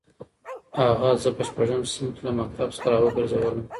اغا زه په شپږم صنف کې له مکتب څخه راوګرځولم.